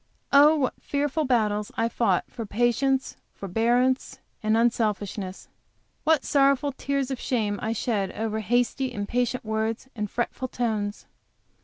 Oh, what fearful battles I fought for patience, forbearance and unselfishness! What sorrowful tears of shame I shed over hasty, impatient words and fretful tones!